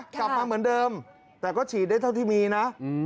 กลับมาเหมือนเดิมแต่ก็ฉีดได้เท่าที่มีนะ